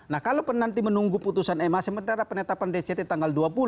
nah kalau penanti menunggu putusan ma sementara penetapan dct tanggal dua puluh